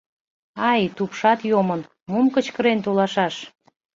— Ай, тупшат йомын, мом кычкырен толашаш.